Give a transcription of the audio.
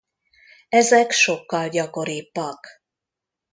Ezek sokkal gyakoribbak.